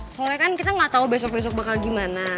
soalnya kan kita gak tau besok besok bakal gimana